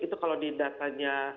itu kalau di datanya